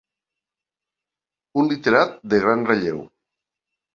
Un literat de gran relleu.